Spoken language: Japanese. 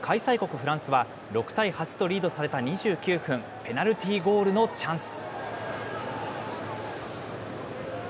フランスは、６対８とリードされた２９分、ペナルティーゴールのチャンス。